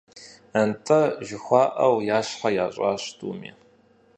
«НтӀэ», жыхуаӀэу, я щхьэр ящӀащ тӀуми.